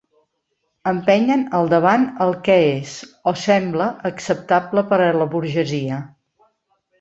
Empenyen al davant el què és, o sembla, acceptable per la burgesia.